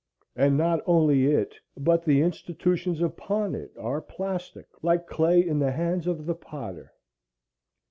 And not only it, but the institutions upon it, are plastic like clay in the hands of the potter.